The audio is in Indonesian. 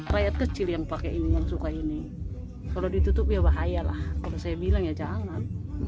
rakyat kecil yang pakai ini yang suka ini kalau ditutup ya bahaya lah kalau saya bilang ya jangan